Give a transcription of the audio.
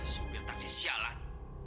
supil taksi sialan